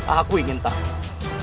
aku ingin tahu